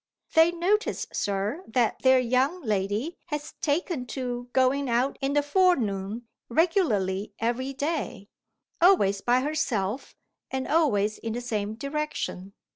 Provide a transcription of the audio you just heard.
'They notice, sir, that their young lady has taken to going out in the forenoon, regularly every day: always by herself, and always in the same direction.